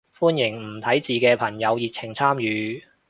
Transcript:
歡迎唔睇字嘅朋友熱情參與